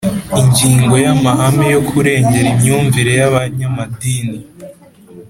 Ingingo ya Amahame yo kurengera imyumvire yabanyamadini